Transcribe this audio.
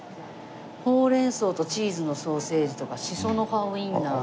「ほうれん草とチーズのソーセージ」とか「しその葉ウインナー」。